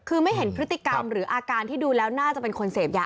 คือไม่เห็นพฤติกรรมหรืออาการที่ดูแล้วน่าจะเป็นคนเสพยา